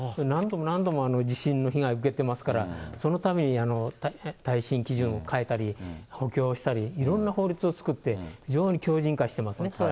何度も何度も地震の被害を受けてますから、そのたびに耐震基準を変えたり、補強をしたり、いろんな法律を作って、非常に強じん化してますね。